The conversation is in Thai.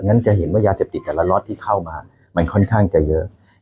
งั้นจะเห็นว่ายาเสพติดแต่ละล็อตที่เข้ามามันค่อนข้างจะเยอะ